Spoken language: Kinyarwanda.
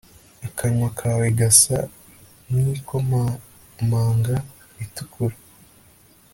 akanwa kawe gasa nkikomamanga itukura